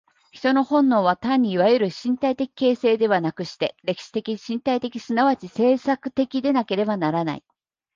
人間の本能は単にいわゆる身体的形成ではなくして、歴史的身体的即ち制作的でなければならない。